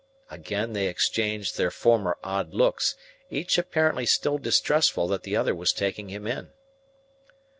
Again they exchanged their former odd looks, each apparently still distrustful that the other was taking him in.